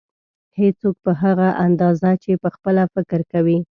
هېڅوک په هغه اندازه چې پخپله فکر کوي.